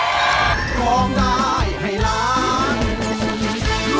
ขอให้มันสิ้นสุดเพียงแค่นี้